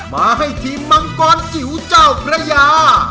มาให้ทีมมังกรจิ๋วเจ้าพระยา